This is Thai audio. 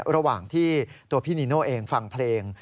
ระหว่างที่ตัวพี่นีโน่เองฟังเพลง